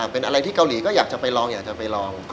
เป็นอะไรที่เกาหลีก็อยากจะไปลองอยากจะไปลอง